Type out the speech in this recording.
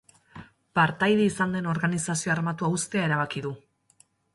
Partaide izan den organizazio armatua uztea erabaki du.